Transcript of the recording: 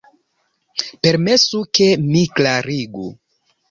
Permesu, ke mi klarigu.